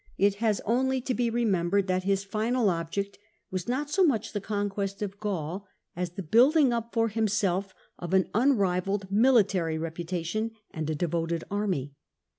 It has only to be remembered that his final object was not so much the conquest of Gaul, as the building up for himself of an unrivalled military reputa tion and a devoted army.